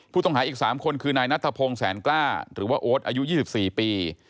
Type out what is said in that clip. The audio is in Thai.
ผู้ต้องหาอีก๓คนคือนายนัทพงศ์แสนกล้าหรือว่าโอ๊ตอายุ๒๔ปี